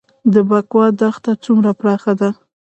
د بکوا دښته څومره پراخه ده؟